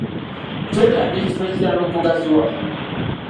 Kyetaaga ekifo ekirala okugaziwa.